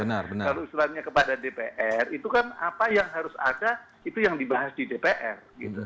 kalau usulannya kepada dpr itu kan apa yang harus ada itu yang dibahas di dpr